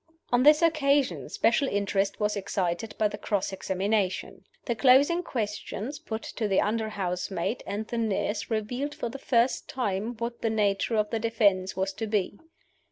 On this occasion special interest was excited by the cross examination. The closing questions put to the under housemaid and the nurse revealed for the first time what the nature of the defense was to be.